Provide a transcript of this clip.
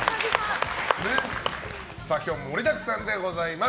今日も盛りだくさんで迎えます。